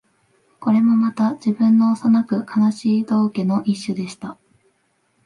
これもまた、自分の幼く悲しい道化の一種でした